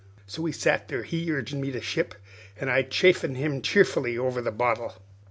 "So we sat there, he urgin' me to ship, an' I chaffin' him cheerful over the bottle.